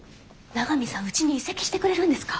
長見さんうちに移籍してくれるんですか？